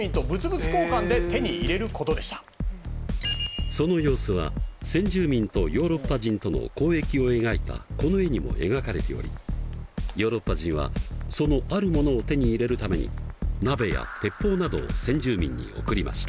実はその様子は先住民とヨーロッパ人との交易を描いたこの絵にも描かれておりヨーロッパ人はそのあるモノを手に入れるために鍋や鉄砲などを先住民に送りました。